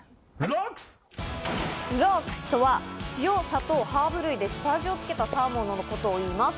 ロックスとは塩、砂糖、ハーブ類で下味をつけたサーモンのことをいいます。